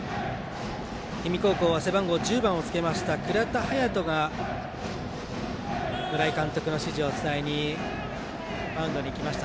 氷見高校は背番号１０番をつけました蔵田颯翔が村井監督の指示を伝えにマウンドに行きました。